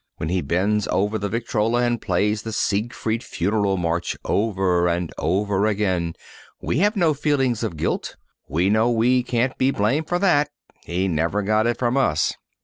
When he bends over the Victrola and plays the Siegfried Funeral March over and over again we have no feeling of guilt. We know we can't be blamed for that. He never got it from us.